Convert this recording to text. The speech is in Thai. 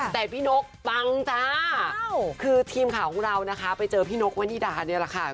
แต่พี่นกปังจ้าคือทีมข่าวของเรานะคะไปเจอพี่นกวนิดาเนี่ยแหละค่ะ